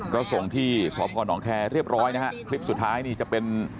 ก็ส่งที่สพนแคร์เรียบร้อยนะฮะคลิปสุดท้ายนี่จะเป็น